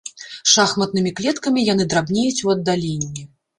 Шахматнымі клеткамі яны драбнеюць у аддаленні.